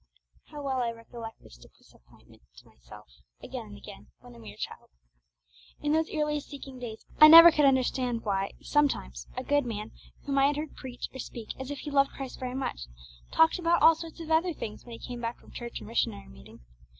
How well I recollect this disappointment to myself, again and again, when a mere child! In those early seeking days I never could understand why, sometimes, a good man whom I heard preach or speak as if he loved Christ very much, talked about all sorts of other things when he came back from church or missionary meeting.